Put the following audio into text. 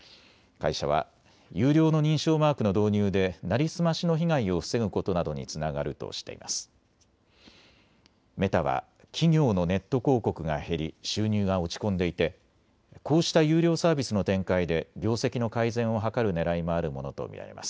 会社は有料の認証マークの導入で成り済ましの被害を防ぐことなどにつながるとしています。